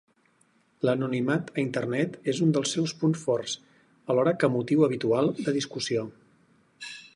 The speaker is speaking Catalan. L'anonimat a Internet és un dels seus punts forts, alhora que motiu habitual de discussió.